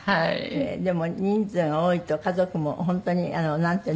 でも人数が多いと家族も本当になんていうの？